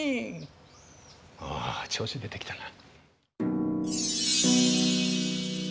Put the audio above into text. あ調子出てきたな。